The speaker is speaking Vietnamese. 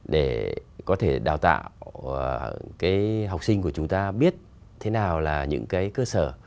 để có thể đào tạo cái học sinh của chúng ta biết thế nào là những cái cơ sở